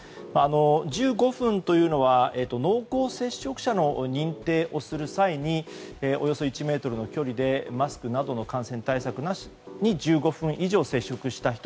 １５分というのは濃厚接触者の認定をする際におよそ１ｍの距離でマスクなどの感染対策なしで１５分以上接触した人